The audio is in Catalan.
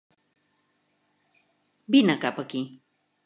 Vine cap aquí.